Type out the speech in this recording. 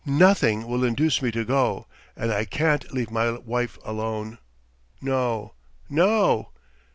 ... Nothing will induce me to go, and I can't leave my wife alone. No, no.